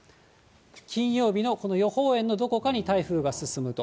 金曜日のこの予報円のどこかに台風が進むと。